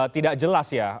tidak jelas ya